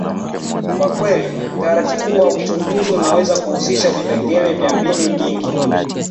kwa kweli, utaratibu wa uchunguzi unaweza kuhusisha vipengele vya mbinu nyingi.